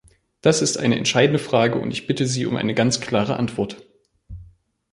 Das ist eine entscheidende Frage, und ich bitte Sie um eine ganz klare Antwort.